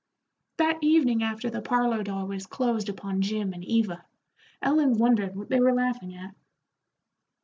That evening after the parlor door was closed upon Jim and Eva, Ellen wondered what they were laughing at.